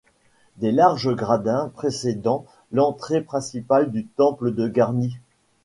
De larges gradins précèdent l'entrée principale du temple de Garni.